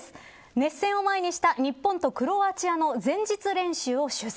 熱戦を前にした日本とクロアチアの前日練習を取材。